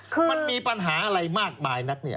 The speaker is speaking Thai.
คือมันมีปัญหาอะไรมากมายนักเนี่ย